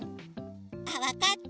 あっわかった。